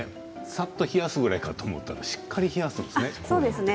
さっと冷やすぐらいかと思ったらしっかり冷やすんですね。